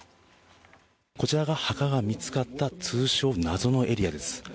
こちらが墓が見つかった通称、謎のエリアです。